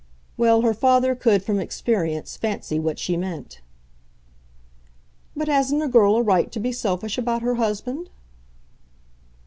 Well, her father could, from experience, fancy what she meant. "But hasn't a girl a right to be selfish about her husband?"